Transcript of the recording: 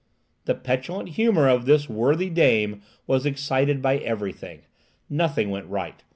The petulant humour of this worthy dame was excited by everything. Nothing went right.